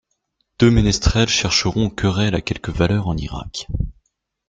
Deux ménestrels chercheront querelle à quelques valeurs en Irak.